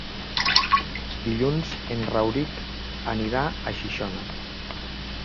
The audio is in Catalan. Dilluns en Rauric anirà a Xixona.